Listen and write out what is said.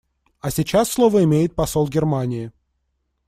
А сейчас слово имеет посол Германии.